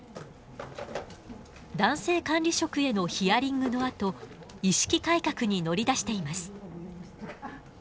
男性管理職へのヒアリングのあと意識改革に乗り出しています。